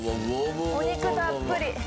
お肉たっぷり。